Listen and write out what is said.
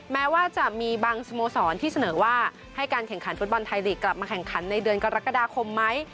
แม้ว่าจะมีบางสโมสรที่เสนอว่าให้การแข่งขันฟุตบอลไทยลีกกลับมาแข่งขันในเดือนกรกฎาคมไหม